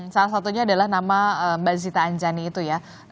salah satunya adalah nama mbak zita anjani itu ya